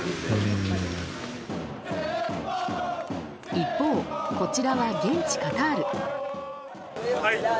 一方、こちらは現地カタール。